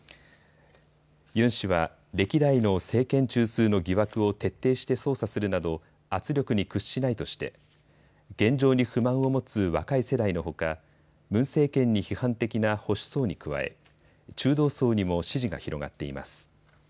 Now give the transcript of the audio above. ユン氏は歴代の政権中枢の疑惑を徹底して捜査するなど圧力に屈しないとして現状に不満を持つ若い世代のほかムン政権に批判的な保守層に加え中道層にも支持が広がっています。